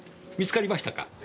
見つかりましたか。